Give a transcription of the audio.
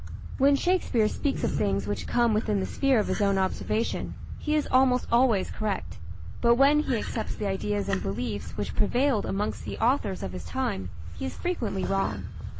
When Shakespeare speaks of things which come within the sphere of his own observation he is almost always correct, but when he accepts the ideas and beliefs which prevailed amongst the authors of his time he is frequently wrong.